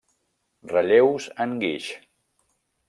Relleus en guix.